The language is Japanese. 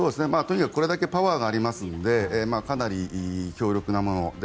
とにかくこれだけパワーがありますのでかなり強力なもの。